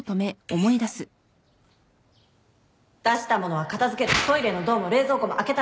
出した物は片付けるトイレのドアも冷蔵庫も開けたら閉める